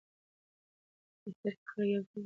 په اختر کې خلک یو بل ته بخښنه کوي.